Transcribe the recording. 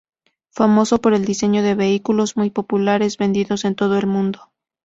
Famoso por el diseño de vehículos muy populares vendidos en todo el mundo.